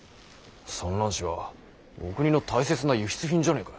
蚕卵紙はお国の大切な輸出品じゃないか。